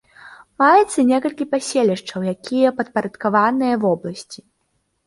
Маецца некалькі паселішчаў, якія падпарадкаваныя вобласці.